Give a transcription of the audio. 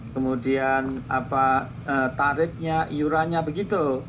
kemudian tarifnya iurannya begitu